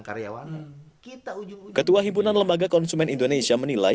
karyawan ketua himpunan lembaga konsumen indonesia menilai